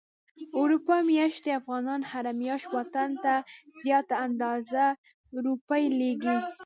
اروپا ميشتي افغانان هره مياشت وطن ته زياته اندازه روپی ليږي.